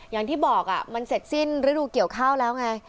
อย่างที่บอกมันเสร็จสิ้นฤดูเกี่ยวข้าวแล้วไง